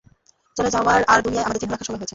চলে যাওয়ার আর দুনিয়ায় আমাদের চিহ্ন রাখার সময় হয়েছে।